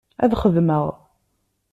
Ad xedmeɣ.